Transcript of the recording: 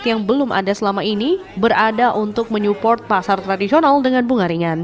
yang belum ada selama ini berada untuk menyupport pasar tradisional dengan bunga ringan